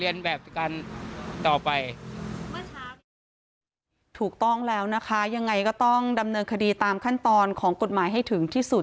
อย่างไรก็ต้องดำเนินคดีตามขั้นตอนของกฎหมายให้ถึงที่สุด